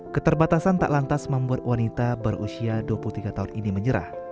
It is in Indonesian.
keterbatasan tak lantas membuat wanita berusia dua puluh tiga tahun ini menyerah